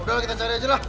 udah kita cari aja lah